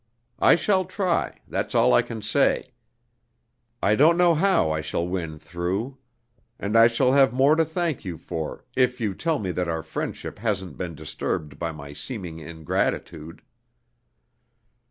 I shall try, that's all I can say. I don't know how I shall win through. And I shall have more to thank you for, if you tell me that our friendship hasn't been disturbed by my seeming ingratitude.